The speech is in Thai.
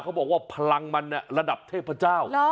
เขาบอกว่าพลังมันระดับเทพเจ้า